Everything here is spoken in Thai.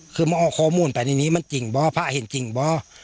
คือมาออกข้อมูลไปในนี้มันจริงบ่อพระเห็นจริงบ่